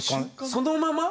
そのまま。